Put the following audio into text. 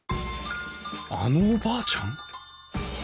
あのおばあちゃん！？